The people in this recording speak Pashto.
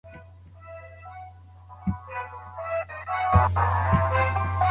د لیکوالو ورځ د هغوی د هویت لمانځنه ده.